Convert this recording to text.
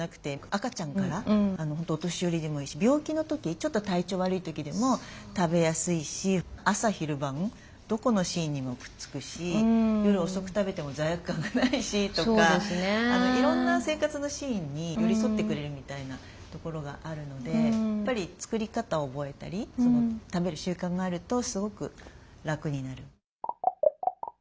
赤ちゃんから本当お年寄りにもいいし病気の時ちょっと体調悪い時でも食べやすいし朝昼晩どこのシーンにもくっつくし夜遅く食べても罪悪感がないしとかいろんな生活のシーンに寄り添ってくれるみたいなところがあるのでやっぱり作り方を覚えたり食べる習慣があるとすごく楽になる。